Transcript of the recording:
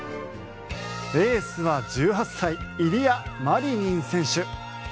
エースは１８歳イリア・マリニン選手。